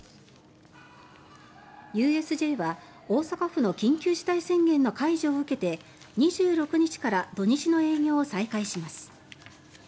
ＵＳＪは大阪府の緊急事態宣言の解除を受けて２６日から土日の営業を再開します。